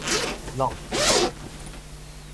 挵井